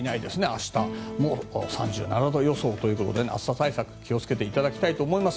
明日も３７度予想ですので暑さ対策気を付けていただきたいと思います。